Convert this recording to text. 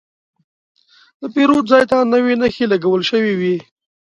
د پیرود ځای ته نوې نښې لګول شوې وې.